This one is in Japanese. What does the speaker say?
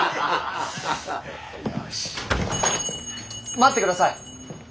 待ってください。